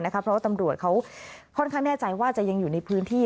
เพราะว่าตำรวจเขาค่อนข้างแน่ใจว่าจะยังอยู่ในพื้นที่